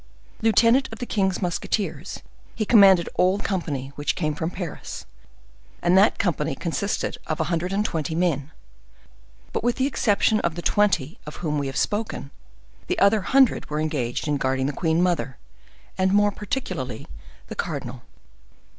Lieutenant of the king's musketeers, he commanded all the company which came from Paris, and that company consisted of a hundred and twenty men; but, with the exception of the twenty of whom we have spoken, the other hundred were engaged in guarding the queen mother, and more particularly the cardinal.